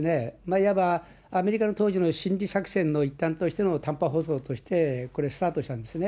いわば、アメリカの当時の心理作戦のいったんとしての短波放送として、これ、スタートしたんですね。